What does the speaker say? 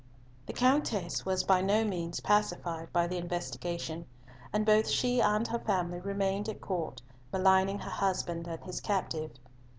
The Countess was by no means pacified by the investigation, and both she and her family remained at Court, maligning her husband and his captive.